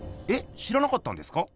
知らなかったんですか？